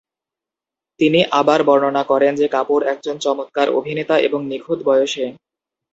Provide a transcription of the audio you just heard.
তিনি আবার বর্ণনা করেন যে কাপুর একজন চমৎকার অভিনেতা এবং "নিখুঁত বয়সে।"